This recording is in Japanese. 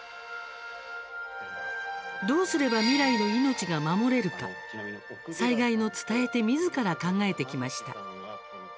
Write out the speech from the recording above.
どうすれば未来の命が守れるか災害の伝え手みずから考えてきました。